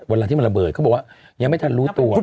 เวลาที่มันระเบิดเขาบอกว่ายังไม่ทันรู้ตัว